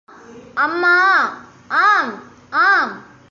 அம்மா... அம்மா...... ஆம், ஆம்!